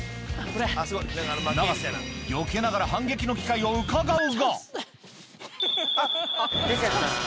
永瀬、よけながら反撃の機会をうかがうが。